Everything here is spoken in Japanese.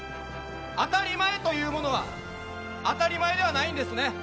当たり前というものは当たり前ではないんですね。